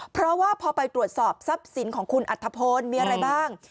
เพราะว่าพอไปตรวจสอบทรัพย์สินของคุณอัธพลมีอะไรบ้าง